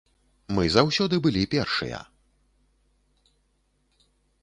Мы заўсёды былі першыя.